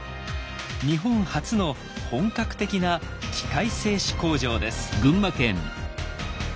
日本初の本格的な機械製糸工場です。